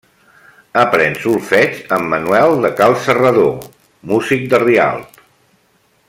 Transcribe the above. Aprèn solfeig amb Manuel de cal Serrador, músic de Rialp.